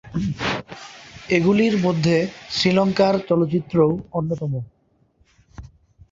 এগুলির মধ্যে শ্রীলঙ্কার চলচ্চিত্রও অন্যতম।